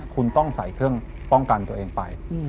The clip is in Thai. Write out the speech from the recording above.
คุณต้องใส่เครื่องป้องกันตัวเองไป